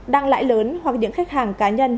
đăng lãi lớn hoặc những khách hàng cá nhân